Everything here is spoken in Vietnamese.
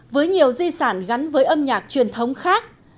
với nhiều di sản gắn với âm nhạc truyền thống khác